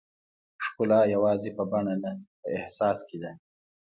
ښکلا یوازې په بڼه نه، په احساس کې ده.